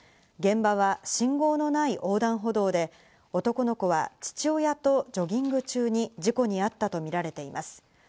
現場は信号のない横断歩道で、男の子は父親とジョギング中に事故にあったとみられています。